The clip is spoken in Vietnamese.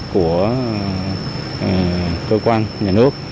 của cơ quan nhà nước